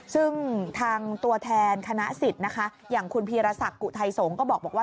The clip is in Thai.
ซึ่งทางตัวแทนคณะสิทธิ์นะคะอย่างคุณพีรศักดิ์อุทัยสงฆ์ก็บอกว่า